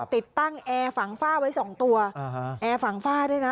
ติดตั้งแอร์ฝังฝ้าไว้๒ตัวแอร์ฝังฝ้าด้วยนะ